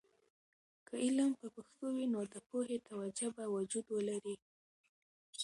که علم په پښتو وي، نو د پوهې توجه به وجود ولري.